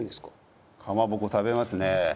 かまぼこ食べますねえ。